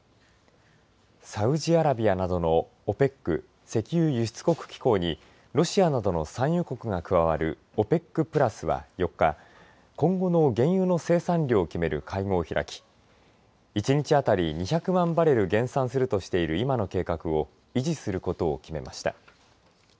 サウジアラビアなどのＯＰＥＣ＝石油輸出国機構にロシアなどの産油国が加わるＯＰＥＣプラスは４日今後の原油の生産量を決める会合を開き１日当たり２００万バレル減産するとしている今の計画を維持することを決めました。